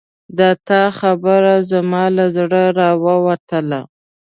د تا خبره زما له زړه راووتله